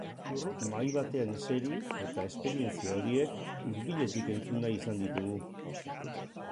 Mahai batean eseri eta esperientzia horiek hurbiletik entzun nahi izan ditugu.